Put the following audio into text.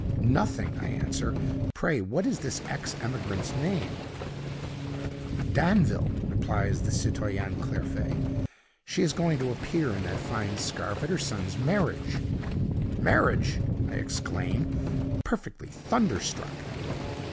"'Nothing,' I answer. 'Pray what is this ex emigrant's name?' "'Danville,' replies the citoyenne Clairfait. 'She is going to appear in that fine scarf at her son's marriage.' "'Marriage!' I exclaim, perfectly thunderstruck.